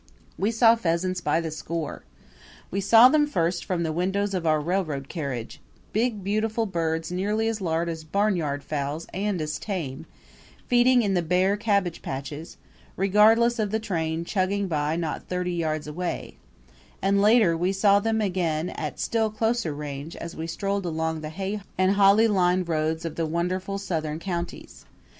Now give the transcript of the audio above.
We saw pheasants by the score. We saw them first from the windows of our railroad carriage big, beautiful birds nearly as large as barnyard fowls and as tame, feeding in the bare cabbage patches, regardless of the train chugging by not thirty yards away; and later we saw them again at still closer range as we strolled along the haw and holly lined roads of the wonderful southern counties.